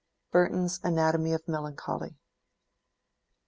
—BURTON'S Anatomy of Melancholy, P.